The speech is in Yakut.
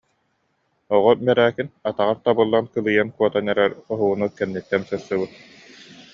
Оҕо Бэрээкин атаҕар табыллан кылыйан куотан эрэр хоһууну кэнниттэн сырсыбыт